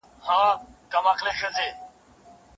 زه په خپله لمبه پایم پتنګان را خبر نه سي